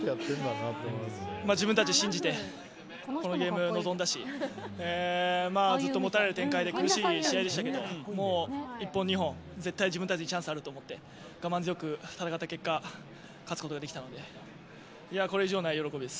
自分たちを信じてこの試合に臨んだしずっと持たれる展開で厳しい試合でしたけどもう１本、２本絶対自分たちにチャンスがあると思って我慢強く戦った結果勝つことができたのでこれ以上ない喜びです。